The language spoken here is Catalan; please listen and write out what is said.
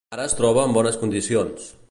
Ara es troba en bones condicions.